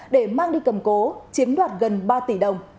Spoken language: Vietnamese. để mang đi cầm cố chiếm đoạt gần ba tỷ đồng